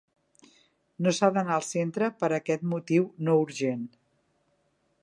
No s'ha d'anar al centre per aquest motiu no urgent.